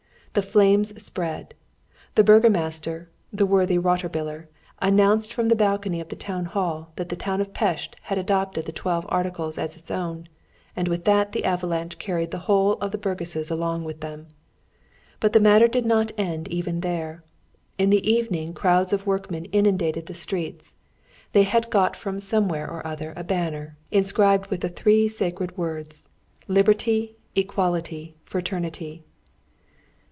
The flames spread! The burgomaster, the worthy Rotterbiller, announced from the balcony of the town hall, that the town of Pest had adopted the Twelve Articles as its own; and with that the avalanche carried the whole of the burgesses along with it. But the matter did not end even there. In the evening crowds of workmen inundated the streets. They had got from somewhere or other a banner, inscribed with the three sacred words, "Liberty, Equality, Fraternity!"